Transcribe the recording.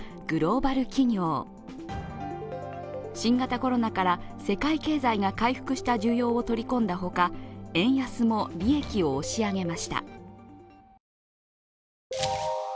新型コロナから世界経済が回復した需要を取り込んだほか円安も利益を押し上げました。